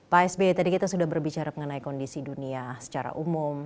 pak sby tadi kita sudah berbicara mengenai kondisi dunia secara umum